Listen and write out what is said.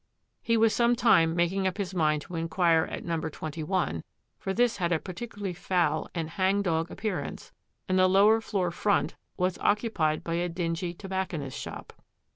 He was some time making up his mind to inquire at number twenty one, for this had a particularly foul and hangdog appearance, and the lower floor front was occupied by a dingy tobac conist's shop.